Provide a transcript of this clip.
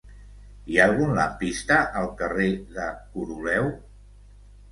Hi ha algun lampista al carrer de Coroleu?